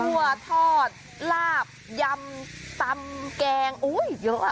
หัวถอดลาบยำตำแกงโอ้ยเยอะอะ